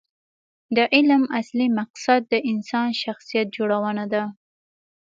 د علم اصلي مقصد د انسان شخصیت جوړونه ده.